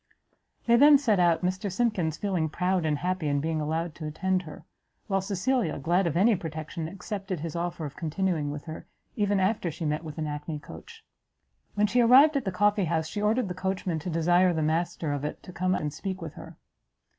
They then set out, Mr Simkins feeling proud and happy in being allowed to attend her, while Cecilia, glad of any protection, accepted his offer of continuing with her, even after she met with an hackney coach. When she arrived at the coffee house, she ordered the coachman to desire the master of it to come and speak with her.